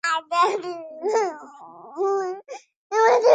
বের কর সব।